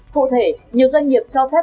cụ thể nhiều doanh nghiệp cho phép